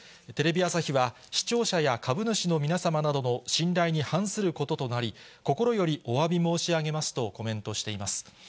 テレビ朝日は、視聴者や株主の皆様などの信頼に反することとなり、心よりおわび申し上げますとコメントしています。